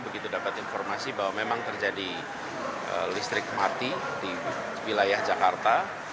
begitu dapat informasi bahwa memang terjadi listrik mati di wilayah jakarta